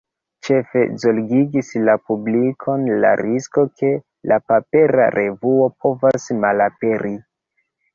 Ĉefe zorgigis la publikon la risko, ke la papera revuo povos malaperi.